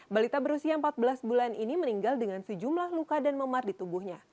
balita berusia empat belas bulan ini meninggal dengan sejumlah luka dan memar di tubuhnya